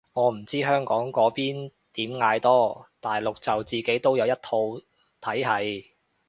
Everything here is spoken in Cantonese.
我唔知香港嗰邊點嗌多，大陸就自己都有一套體係